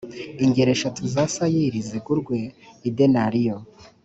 ingero eshatu za sayiri zigurwe idenariyo